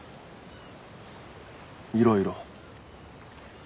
「いろいろ」。